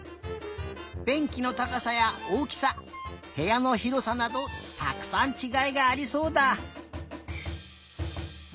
べんきのたかさやおおきさへやのひろさなどたくさんちがいがありそうだ！